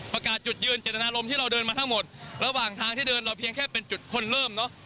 ประกาศจุดยืนเจตนารมณ์ที่เราเดินมาทั้งหมดระหว่างทางที่เดินเราเพียงแค่เป็นจุดคนเริ่มเนอะ